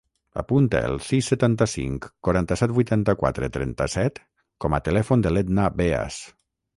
Apunta el sis, setanta-cinc, quaranta-set, vuitanta-quatre, trenta-set com a telèfon de l'Etna Beas.